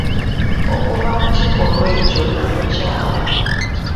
Okuva ku kikolwa ekyo namukyawa.